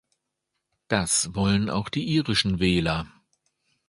Das wollen auch die irischen Wähler.